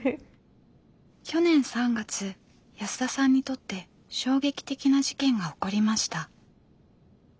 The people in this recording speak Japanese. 去年３月安田さんにとって衝撃的な事件が起こりました。